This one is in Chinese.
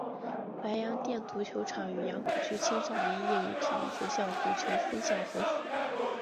白洋淀足球场与杨浦区青少年业余体育学校足球分校合署。